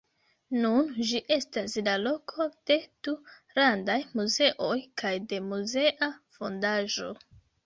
Nun ĝi estas la loko de du landaj muzeoj, kaj de muzea fondaĵo.